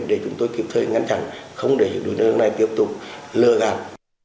để chúng tôi kịp thời ngăn chặn không để đối tượng này tiếp tục lừa gạt